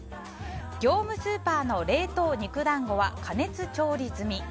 業務スーパーの冷凍肉団子は加熱調理済み！